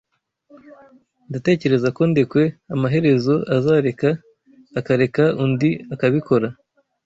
Ndatekereza ko Ndekwe amaherezo azareka akareka undi akabikora.